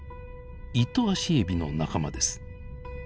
イトアシエビの仲間です。